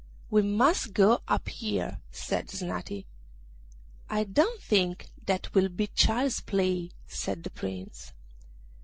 'We must go up here,' said Snati. 'I don't think that will be child's play,' said the Prince.